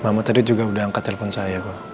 mama tadi juga udah angkat telepon saya kok